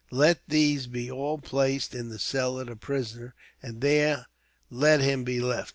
Let these be all placed in the cell of the prisoner, and there let him be left.